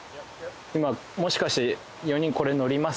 今もしかして４人これ乗ります？